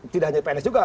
tidak hanya pns juga